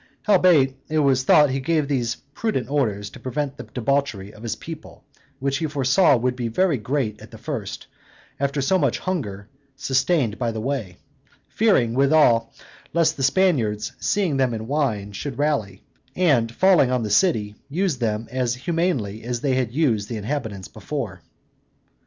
Howbeit, it was thought he gave these prudent orders to prevent the debauchery of his people, which he foresaw would be very great at the first, after so much hunger sustained by the way; fearing, withal, lest the Spaniards, seeing them in wine, should rally, and, falling on the city, use them as inhumanly as they had used the inhabitants before.